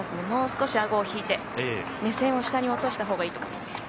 もう少し顎を引いて、目線を下に落としたほうがいいと思います